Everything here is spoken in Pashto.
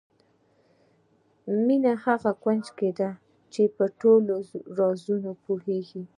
مینه هغه کونجي ده چې په ټولو رازونو پوهېږو.